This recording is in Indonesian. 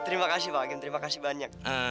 terima kasih pak agen terima kasih banyak